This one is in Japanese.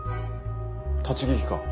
立ち聞きか。